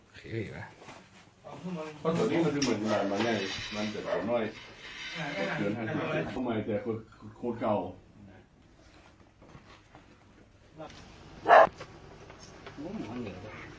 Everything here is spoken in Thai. พี่พิธีหรอครับ